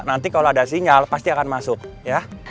nanti kalau ada sinyal pasti akan masuk ya